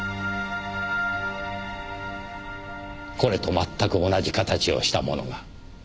これと全く同じ形をしたものが。